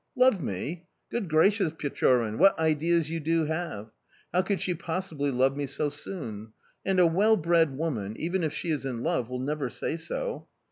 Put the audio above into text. "Love me? Good gracious, Pechorin, what ideas you do have!... How could she possibly love me so soon?... And a well bred woman, even if she is in love, will never say so"...